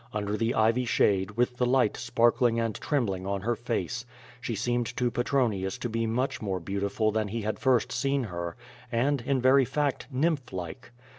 Under the ivy shade, with the light sparkling and trembling on her face, she seemed to Petronius to be much more beautiful than he had first seen her, and, in very fact, nymph like.